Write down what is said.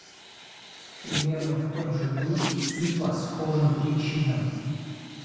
Примерно в том же духе и по схожим причинам,